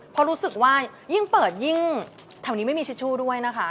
เพราะรู้สึกว่ายิ่งเปิดยิ่งแถวนี้ไม่มีทิชชู่ด้วยนะคะ